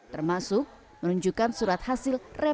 termasuk menunjukkan surat hasil rekomendasi